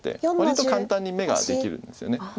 割と簡単に眼ができるんですよね。